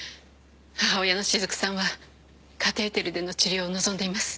母親のしずくさんはカテーテルでの治療を望んでいます。